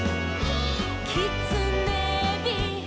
「きつねび」「」